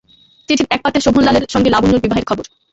চিঠির এক পাতে শোভনলালের সঙ্গে লাবণ্যর বিবাহের খবর।